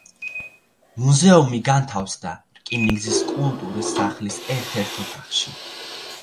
მუზეუმი განთავსდა რკინიგზის კულტურის სახლის ერთ-ერთ ოთახში.